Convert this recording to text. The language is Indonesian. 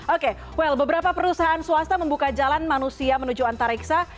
oke wel beberapa perusahaan swasta membuka jalan manusia menuju antariksa